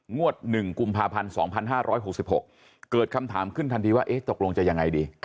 งวด๑กุมภาพันธ์๒๕๖๖เกิดคำถามขึ้นทันทีว่าตกลงจะยังไงดี